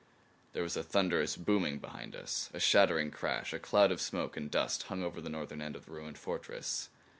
There was a thunderous booming behind us; a shattering crash. A cloud of smoke and dust hung over the northern end of the ruined fortress.